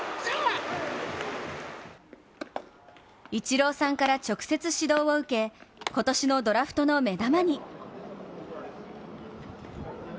イチローさんから直接指導を受け、今年のドラフトの目玉に。